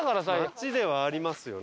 街ではありますよね。